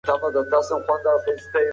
کوم عملونه افراد د طلاق پر وخت ترسره کوي؟